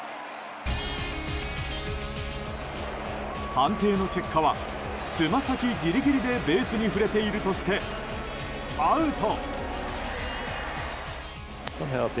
判定の結果はつま先ギリギリでベースに触れているとしてアウト。